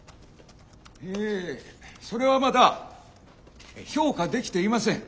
えそれはまだ評価できていません。